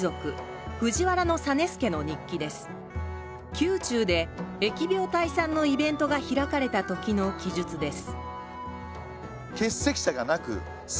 宮中で疫病退散のイベントが開かれたときの記述です